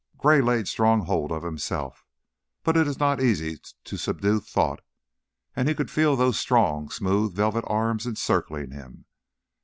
Gray laid strong hold of himself, but it is not easy to subdue thought, and he could feel those strong, smooth, velvet arms encircling him.